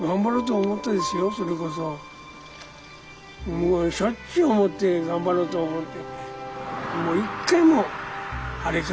もうしょっちゅう思って頑張ろうと思って。